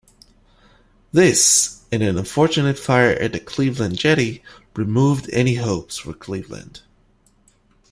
This, and an unfortunate fire at the Cleveland jetty, removed any hopes for Cleveland.